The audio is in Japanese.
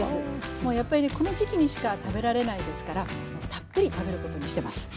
もうやっぱりこの時期にしか食べられないですからもうたっぷり食べることにしてます。